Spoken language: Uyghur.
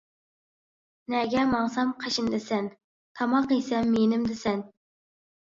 نەگە ماڭسام قېشىمدا سەن، تاماق يېسەم يېنىمدا سەن.